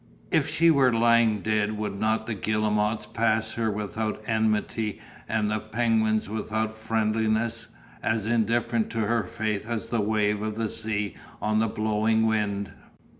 If she were lying dead would not the guillemots pass her without enmity and the penguins without friendliness, as indifferent to her fate as the wave of the sea on the blowing wind?